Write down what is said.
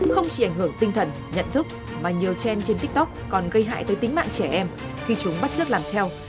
không chỉ ảnh hưởng tinh thần nhận thức mà nhiều trend trên tiktok còn gây hại tới tính mạng trẻ em khi chúng bắt chất làm theo